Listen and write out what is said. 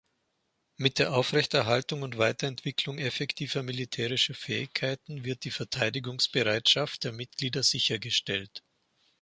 Mit der Aufrechterhaltung und Weiterentwicklung effektiver militärischer Fähigkeiten wird die Verteidigungsbereitschaft der Mitglieder sichergestellt.